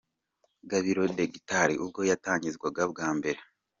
Gabiro The Guitar ubwo yabatizwaga bwa mbere.